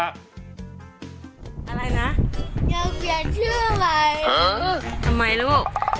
อะไรนะยังกลียนชื่อไม่แล้ว